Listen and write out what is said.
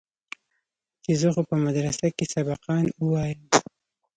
چې زه خو په مدرسه کښې سبقان وايم.